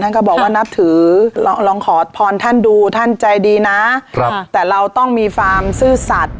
ก็บอกว่านับถือลองขอพรท่านดูท่านใจดีนะครับแต่เราต้องมีความซื่อสัตว์